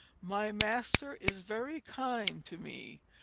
My Master is very kind to me.